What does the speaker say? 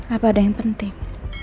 apa ada yang penting